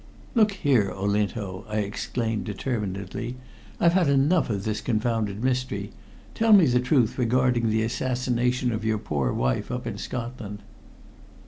"Look here, Olinto!" I exclaimed determinedly, "I've had enough of this confounded mystery. Tell me the truth regarding the assassination of your poor wife up in Scotland."